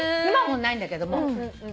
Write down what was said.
今はもうないんだけども。